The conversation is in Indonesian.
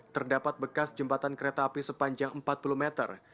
terdapat bekas jembatan kereta api sepanjang empat puluh meter